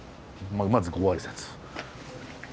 まずご挨拶。